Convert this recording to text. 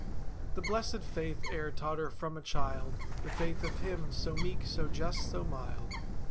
The blessed Faith e'er taught her from a child; The Faith of Him—so meek, so just, so mild.